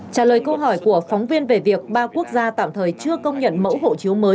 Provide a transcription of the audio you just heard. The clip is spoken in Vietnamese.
trả lời câu hỏi của phóng viên về việc ba quốc gia tạm thời chưa công nhận mẫu hộ chiếu mới